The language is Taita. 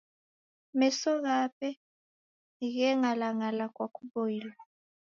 Meso ghape gheng'alang'ala kwa kuboilwa.